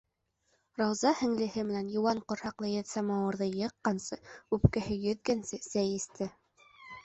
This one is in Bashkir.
Рауза һеңлеһе менән йыуан ҡорһаҡлы еҙ самауырҙы йыҡҡансы, үпкәһе йөҙгәнсе сәй эсте.